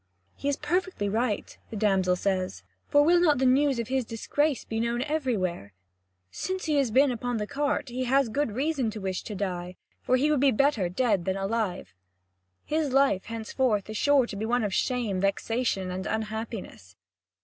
"He is perfectly right," the damsel says; "for will not the news of his disgrace be known everywhere? Since he has been upon the cart, he has good reason to wish to die, for he would be better dead than alive. His life henceforth is sure to be one of shame, vexation, and unhappiness."